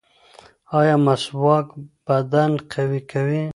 ایا مسواک بدن قوي کوي؟